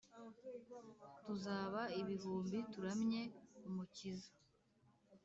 Tuzaba ibihumbi turamye umukiza